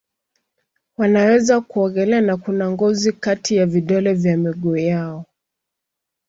Wanaweza kuogelea na kuna ngozi kati ya vidole vya miguu yao.